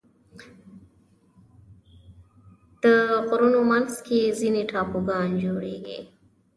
د غرونو منځ کې ځینې ټاپوګان جوړېږي.